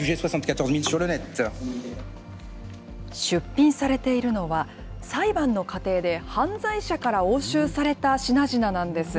出品されているのは、裁判の過程で犯罪者から押収された品々なんです。